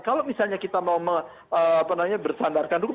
kalau misalnya kita mau bersandarkan dulu